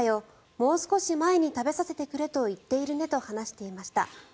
もう少し前に食べさせてくれと言っているねと話していました。